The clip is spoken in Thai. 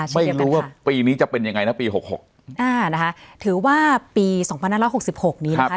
ไม่รู้ว่าปีนี้จะเป็นยังไงนะปี๖๖ถือว่าปี๒๖๖๖นี้นะคะ